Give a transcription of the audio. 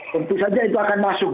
tentu saja itu akan masuk